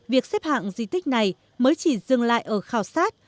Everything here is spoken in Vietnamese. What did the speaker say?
việc xếp hạng di tích này mới chỉ dừng lại ở khảo sát